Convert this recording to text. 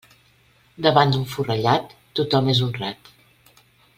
Davant d'un forrellat, tothom és honrat.